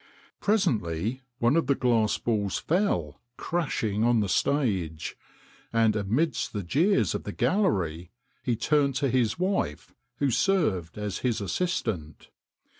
Presently one of the 198 THE CONJURER 199 glass balls fell crashing on the stage, and amidst the jeers of the gallery he turned to his wife, who served as his assistant.